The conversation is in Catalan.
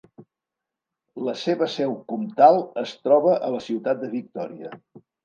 La seva seu comtal es troba a la ciutat de Victòria.